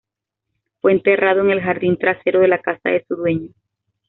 Fue enterrado en el jardín trasero de la casa de su dueño.